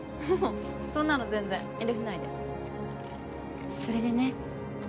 うんそんなの全然遠慮しないでそれでね